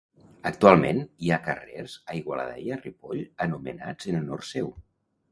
Actualment hi ha carrers a Igualada i a Ripoll anomenats en honor seu.